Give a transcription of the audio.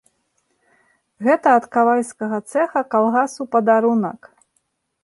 Гэта ад кавальскага цэха калгасу падарунак!